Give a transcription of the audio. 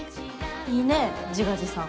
いいね自画自賛。